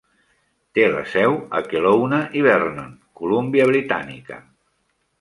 Té la seu a Kelowna i Vernon, Columbia Britànica.